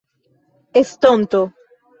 estonto